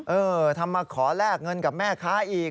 เออทำมาขอแลกเงินกับแม่ค้าอีก